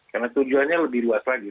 karena tujuannya lebih luas lagi